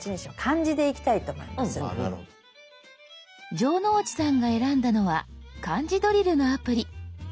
城之内さんが選んだのは漢字ドリルのアプリ。